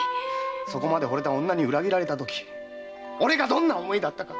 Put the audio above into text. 〔そこまで惚れた女に裏切られて俺がどんな思いだったか！〕